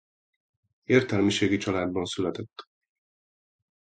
Értelmiségi családban született.